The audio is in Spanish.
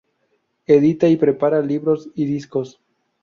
Edita y prepara libros y discos.